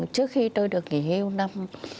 trước khi tôi được nghỉ hưu năm hai nghìn một mươi hai